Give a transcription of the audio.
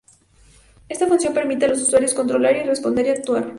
Esta función permite a los usuarios controlar, responder y actuar.